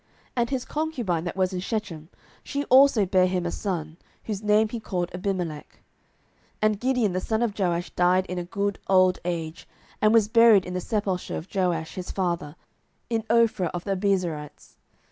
07:008:031 And his concubine that was in Shechem, she also bare him a son, whose name he called Abimelech. 07:008:032 And Gideon the son of Joash died in a good old age, and was buried in the sepulchre of Joash his father, in Ophrah of the Abiezrites.